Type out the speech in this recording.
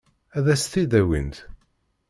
Ad s-t-id-awint?